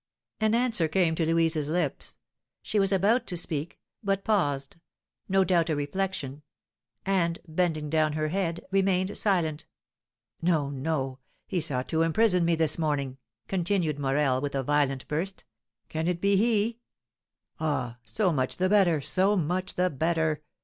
An answer came to Louise's lips. She was about to speak, but paused, no doubt a reflection, and, bending down her head, remained silent. "No, no; he sought to imprison me this morning!" continued Morel, with a violent burst. "Can it be he? Ah, so much the better, so much the better!